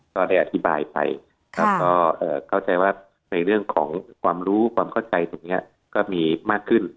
ก็ได้อธิบายไปแล้วก็เข้าใจว่าในเรื่องของความรู้ความเข้าใจตรงนี้ก็มีมากขึ้น